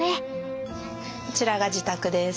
こちらが自宅です。